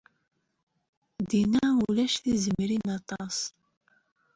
Dinna ulac tizemmrin aṭas.